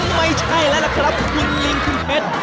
ไม่ใช่แล้วล่ะครับคุณลิงคุณเพชร